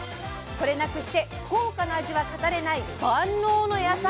これなくして福岡の味は語れない万能の野菜